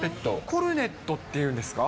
コルネットっていうんですか？